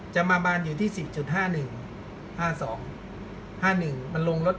จะมาบ้านอยู่ที่๔๕๑๕๒๕๑ลงรถ